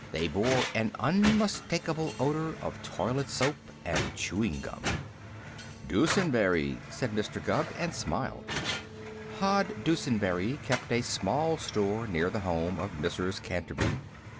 They bore an unmistakable odor of toilet soap and chewing gum. "Dusenberry!" said Mr. Gubb, and smiled. Hod Dusenberry kept a small store near the home of Mrs. Canterby.